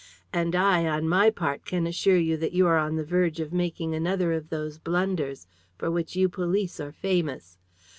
And I, on my part, can assure you that you are on the verge of making another of those blunders for which you police are famous.